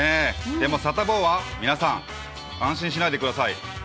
でもサタボーは皆さん、安心しないでください。